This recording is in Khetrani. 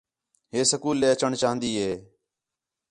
ہے سکول ݙے اچّݨ چاہن٘دی ہے